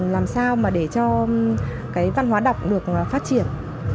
làm sao mà để cho cái văn hóa đọc được phát triển